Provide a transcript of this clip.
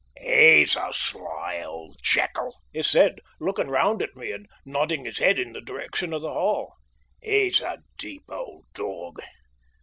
"He's a sly old jackal," he said, looking round at me and nodding his head in the direction of the Hall. "He's a deep old dog.